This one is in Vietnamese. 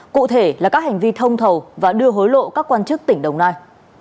cụ thể là các hành vi thông thầu và đưa hối lộ các quan chức tỉnh đồng nai